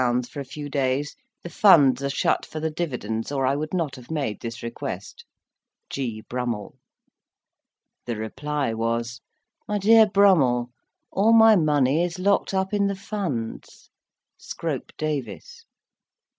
for a few days; the funds are shut for the dividends, or I would not have made this request. "G. BRUMMELL." The reply was: "My DEAR BRUMMELL, All my money is locked up in the funds. "SCROPE DAVIS."